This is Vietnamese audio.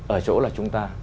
ở chỗ là chúng ta